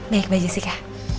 baik mbak jessica